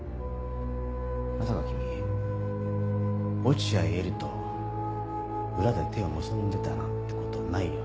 まさか君落合エリと裏で手を結んでたなんて事ないよな？